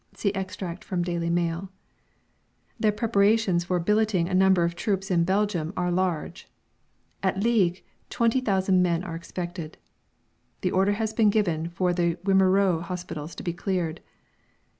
(See extract from Daily Mail.) Their preparations for billeting a number of troops in Belgium are large: "At Liége 20,000 men are expected." The order has been given for the Wimereux hospitals to be cleared.